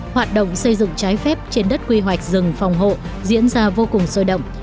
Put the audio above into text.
hoạt động xây dựng trái phép trên đất quy hoạch rừng phòng hộ diễn ra vô cùng sôi động